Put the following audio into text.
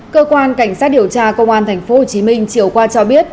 cơ quan cảnh sát điều tra công an tp hcm chiều qua cho biết